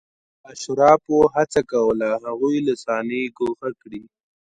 اشرافو هڅه کوله هغوی له صحنې ګوښه کړي.